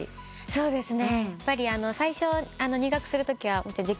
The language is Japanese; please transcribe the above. そうですよね。